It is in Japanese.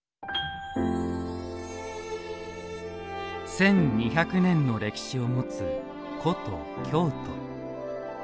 １２００年の歴史を持つ古都・京都。